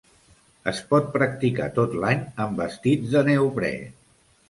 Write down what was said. Es pot practicar tot l'any amb vestits de neoprè.